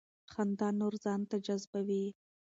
خندا نور ځان ته جذبوي.